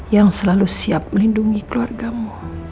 yang selalu siap melindungi keluargamu